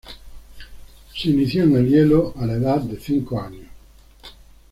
Se inició en el hielo a la edad de cinco años.